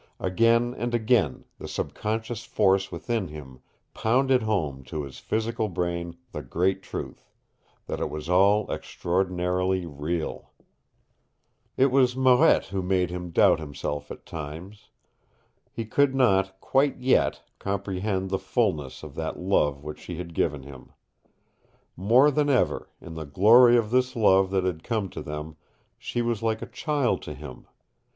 Again and again the subconscious force within him pounded home to his physical brain the great truth, that it was all extraordinarily real. It was Marette who made him doubt himself at times. He could not, quite yet, comprehend the fulness of that love which she had given him. More than ever, in the glory of this love that had come to them she was like a child to him.